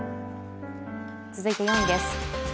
続いて４位です。